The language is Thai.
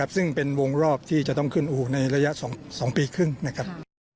ซึ่งเป็นวงรอบที่จะต้องขึ้นอู่ในระยะ๒ปีครึ่งนะครับ